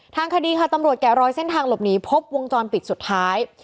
ทางคดีค่ะตำรวจแกะรอยเส้นทางหลบหนีพบวงจรปิดสุดท้าย